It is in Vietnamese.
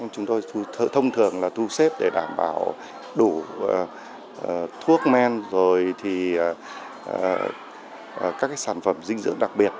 chúng tôi thông thường là thu xếp để đảm bảo đủ thuốc men rồi thì các sản phẩm dinh dưỡng đặc biệt